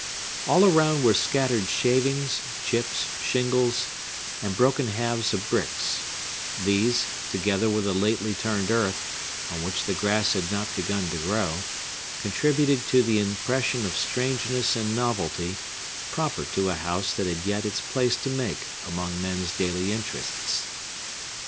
All around were scattered shavings, chips, shingles, and broken halves of bricks; these, together with the lately turned earth, on which the grass had not begun to grow, contributed to the impression of strangeness and novelty proper to a house that had yet its place to make among men's daily interests.